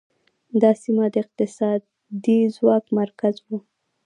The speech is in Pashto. دا سیمه د اقتصادي ځواک مرکز و